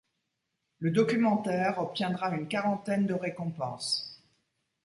Le documentaire obtiendra une quarantaine de récompenses.